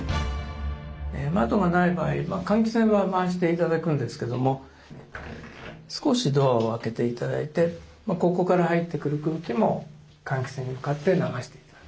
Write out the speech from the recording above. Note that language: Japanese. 窓がない場合は換気扇は回して頂くんですけども少しドアを開けて頂いてここから入ってくる空気も換気扇に向かって流して頂く。